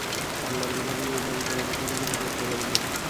আল্লাহর বিধানের বিরুদ্ধে আমি তোমাদের জন্য কিছু করতে পারি না।